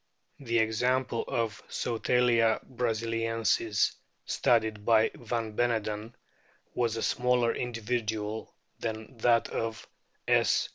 The example of Sotalia brasiliensis studied by van Beneden was a smaller individual than that of S.